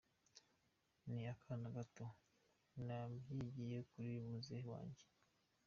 Nari akana gato, nabyigiye kuri muzehe wanjye.